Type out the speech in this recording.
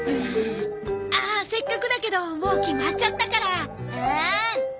ああせっかくだけどもう決まっちゃったから。